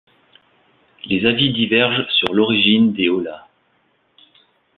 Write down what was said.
Les avis divergent sur l'origine des olas.